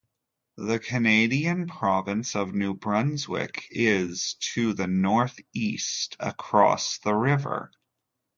The Canadian province of New Brunswick is to the northeast across the river.